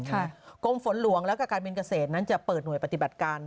กรมฝนหลวงแล้วก็การบินเกษตรนั้นจะเปิดหน่วยปฏิบัติการ